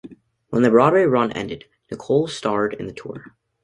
When the Broadway run ended Nicol starred in the tour.